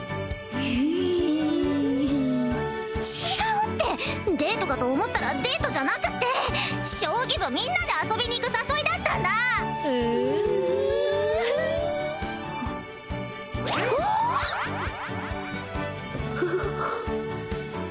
フフフ違うってデートかと思ったらデートじゃなくって将棋部みんなで遊びに行く誘いだったんだふんあっ！